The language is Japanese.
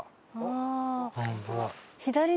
あっ本当だ。